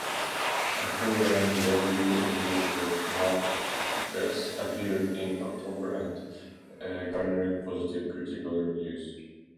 A full-length debut, "New Earth Mud", appeared in October and garnered positive critical reviews.